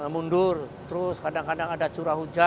mundur terus kadang kadang ada curah hujan